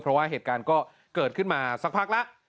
เพราะว่าเหตุการณ์ก็เกิดขึ้นมาสักพักแล้ว